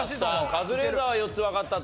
カズレーザーは４つわかったと。